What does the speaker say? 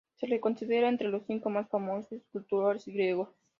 Se le considera entre los cinco más famosos escultores griegos.